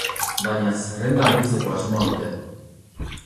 Baina, zerrenda handitzeko asmoa dute.